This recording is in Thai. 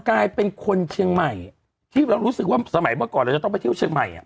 กลายเป็นคนเชียงใหม่ที่เรารู้สึกว่าสมัยเมื่อก่อนเราจะต้องไปเที่ยวเชียงใหม่